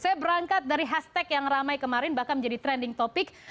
saya berangkat dari hashtag yang ramai kemarin bahkan menjadi trending topic